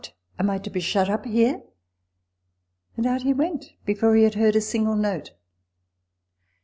am I to be shut up here ?" and out he went, before he had heard a single note!